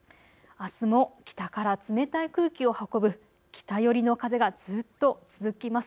あすも北から冷たい空気を運ぶ北寄りの風がずっと続きます。